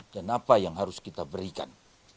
dan apa yang harus kita berikan